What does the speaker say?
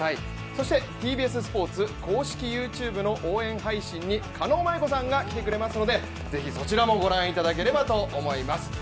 そしてＴＢＳスポーツ公式ＹｏｕＴｕｂｅの応援配信に狩野舞子さんが来てくれますのでそちらもご覧いただければと思います。